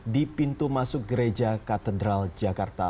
di pintu masuk gereja katedral jakarta